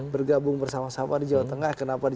bergabung bersama sama di jawa tengah kenapa